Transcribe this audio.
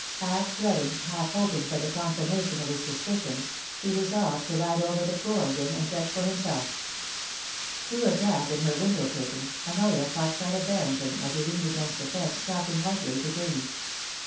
Half dreading, half hoping for the confirmation of his suspicions, he resolved to ride over to Kooralbyn and judge for himself. Through a gap in her window curtain Honoria caught sight of Harrington, as he leaned against the fence talking lightly to Janie.